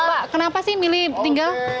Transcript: bapak kenapa sih milih tinggal